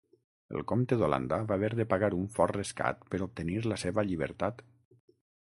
El comte d'Holanda va haver de pagar un fort rescat per obtenir la seva llibertat.